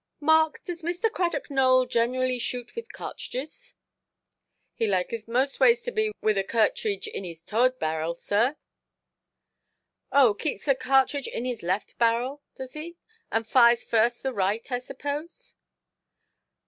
"Mark, does Mr. Cradock Nowell generally shoot with cartridges"? "He laiketh mostways to be with a curtreege in his toard barryel, sir". "Oh, keeps a cartridge in his left barrel, does he; and fires first the right, I suppose"?